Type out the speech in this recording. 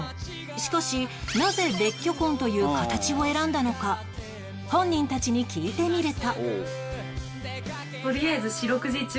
しかしなぜ別居婚という形を選んだのか本人たちに聞いてみると